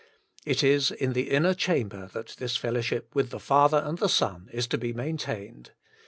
It is in the inner chamber that this fellowship with the Father and the Son is to be maintained.